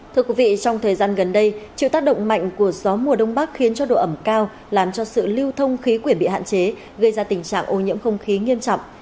thưa quý vị trong thời gian gần đây chịu tác động mạnh của gió mùa đông bắc khiến cho độ ẩm cao làm cho sự lưu thông khí quyển bị hạn chế gây ra tình trạng ô nhiễm không khí nghiêm trọng